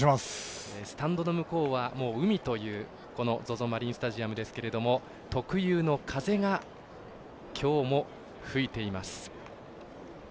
スタンドの向こうは海というこのＺＯＺＯマリンスタジアムですけれども特有の風がきょうも吹いています。